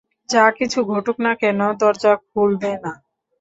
যা কিছু ঘটুক না কেন দরজা খুলবে না।